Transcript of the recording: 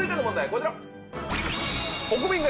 こちら。